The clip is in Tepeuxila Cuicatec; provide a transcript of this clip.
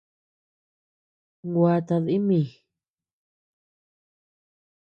Gua tadi mi.